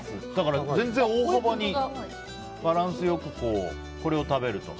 全然、大幅にバランス良くこれを食べると。